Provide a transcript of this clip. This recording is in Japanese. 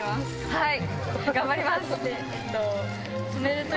はい。